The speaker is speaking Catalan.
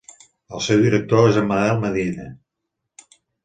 El seu director és en Manel Medina.